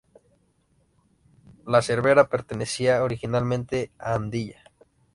La Cervera pertenecía originariamente a Andilla.